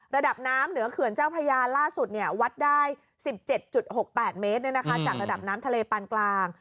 ระดับน้ำเหนือเขื่อนเจ้าพระยาล่าสุดวัดได้๑๗๖๘เมตรจากระดับน้ำทะเลปานกลาง